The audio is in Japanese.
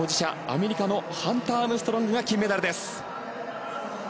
アメリカのハンター・アームストロングが金メダルです。